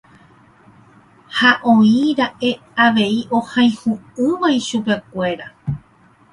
Ha oira'e avei ohayhu'ỹva ichupekuéra.